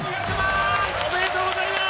おめでとうございます。